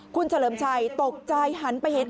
คุณเฉลิมชัยตกใจหันไปเห็น